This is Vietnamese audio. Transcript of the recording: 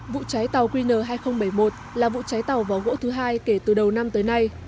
vụ cháy tàu qn hai nghìn bảy mươi một là vụ cháy tàu vỏ gỗ thứ hai kể từ đầu năm tới nay